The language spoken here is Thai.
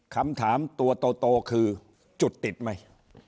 คำถามตัวโตคือจุดติดไหม